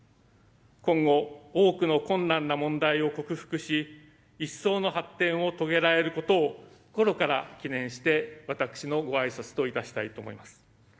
今後、多くの困難な問題を克服し一層の発展を遂げられることを心から祈念して私の御挨拶といたしたいと思います。